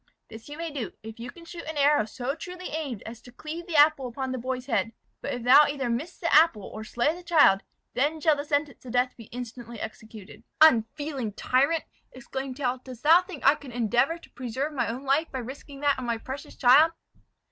This you may do, if you can shoot an arrow so truly aimed as to cleave the apple upon thy boy's head. But if thou either miss the apple, or slay the child, then shall the sentence of death be instantly executed." "Unfeeling tyrant!" exclaimed Tell; "dost thou think that I could endeavour to preserve my own life by risking that of my precious child?"